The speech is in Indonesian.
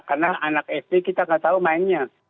karena anak sd kita tidak tahu mainnya